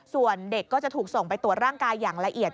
ส่วนเด็กก็จะถูกส่งไปตรวจร่างกายอย่างละเอียด